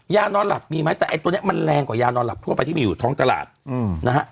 นอนหลับมีไหมแต่ไอ้ตัวนี้มันแรงกว่ายานอนหลับทั่วไปที่มีอยู่ท้องตลาดนะฮะ